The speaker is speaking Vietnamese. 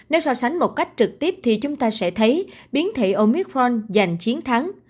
nếu so sánh một cách trực tiếp thì chúng ta sẽ thấy biến thị omicron giành chiến thắng